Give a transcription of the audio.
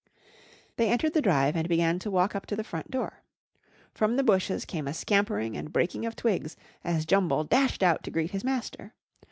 They entered the drive and began to walk up to the front door. From the bushes came a scampering and breaking of twigs as Jumble dashed out to greet his master.